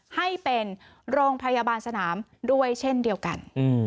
ให้เป็นโรงพยาบาลสนามด้วยเช่นเดียวกัน